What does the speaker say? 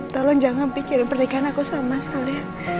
tolong jangan pikirin pernikahan aku sama mas al ya